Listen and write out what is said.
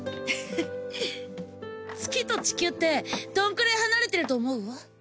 月と地球ってどんくらい離れてると思う？